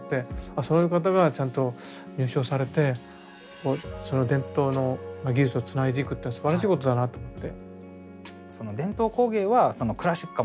そういう方がちゃんと入賞されてその伝統の技術をつないでいくっていうのはすばらしいことだなと思って。